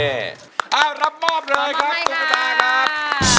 เอ้ารับมอบเลยครับถุงตากละครับ